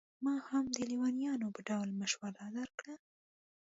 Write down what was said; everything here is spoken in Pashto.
ما هم د لېونیانو په ډول مشوره درکړه.